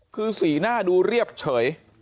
คือสีหน้าดูเรียบเฉย